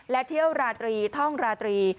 และเที่ยวราตรีท่องราตรี